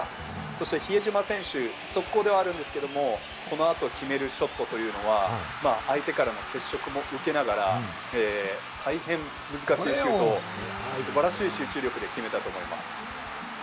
そして比江島選手、速攻ではあるんですけれども、このあと決めるショットというのは相手からの接触も受けながら、大変難しいシュートを素晴らしい集中力で決めたと思います。